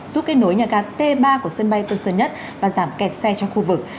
giúp kết nối nhà gác t ba của sân bay tương sơn nhất và giảm kẹt xe cho khu vực